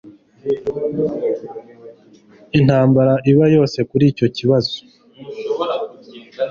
Intambara iba yose kuri icyo kibazo.